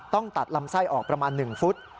ต้องตัดลำไส้ออกประมาณ๑ฟุต